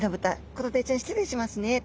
コロダイちゃん失礼しますねと。